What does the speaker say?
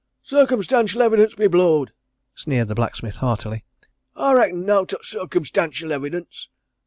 "Circumstantial evidence be blowed!" sneered the blacksmith heartily. "I reckon nowt o' circumstantial evidence!